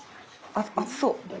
熱そう。